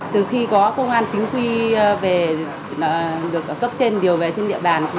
từ khi có công an chính quy về được cấp trên điều về trên địa bàn